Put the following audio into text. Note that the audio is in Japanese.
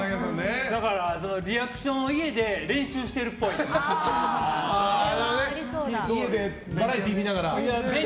だから、リアクションを家で練習してるっぽい。家でバラエティー見ながらね。